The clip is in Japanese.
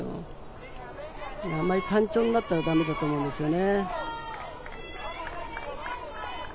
あまり単調になったらだめだと思いますね。